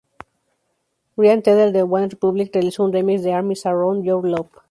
Ryan Tedder de OneRepublic realizó un remix de "Arms Around Your Love".